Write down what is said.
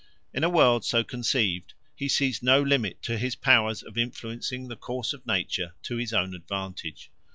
In a world so conceived he sees no limit to his power of influencing the course of nature to his own advantage.